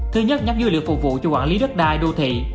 thứ nhất nhóm dữ liệu phục vụ cho quản lý đất đai đô thị